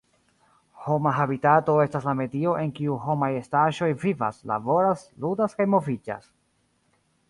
Homa habitato estas la medio en kiu homaj estaĵoj vivas, laboras, ludas kaj moviĝas.